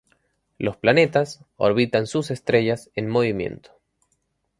Los planetas orbitan sus estrellas en movimiento.